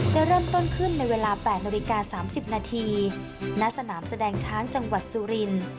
จะเริ่มต้นขึ้นในเวลา๘น๓๐นนนสนามแสดงช้างจังหวัดสุริน